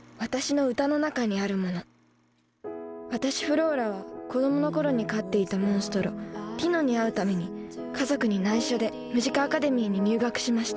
私フローラは子どもの頃に飼っていたモンストロティノに会うために家族にないしょでムジカアカデミーに入学しました